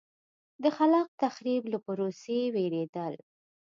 د خلاق تخریب له پروسې وېرېدل.